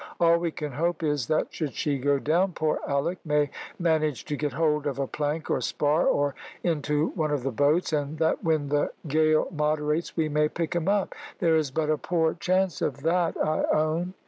All we can hope is that should she go down, poor Alick may manage to get hold of a plank or spar, or into one of the boats, and that when the gale moderates we may pick him up. There is but a poor chance of that, I own."